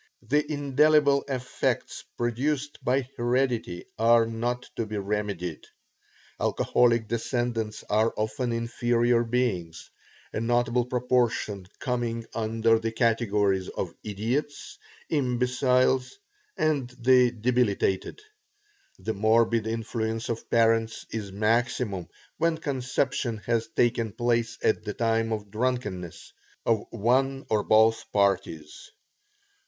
The indelible effects produced by heredity are not to be remedied. Alcoholic descendants are often inferior beings, a notable proportion coming under the categories of idiots, imbeciles, and the debilitated. The morbid influence of parents is maximum when conception has taken place at the time of drunkenness of one or both parties.